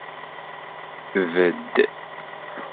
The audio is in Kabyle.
Bedd!